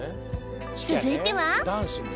続いては。